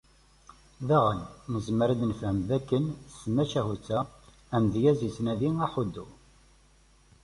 Daɣen, nezmer ad d-nefhem d akken s tmacahut-a, amedyaz ittnadi aḥuddu.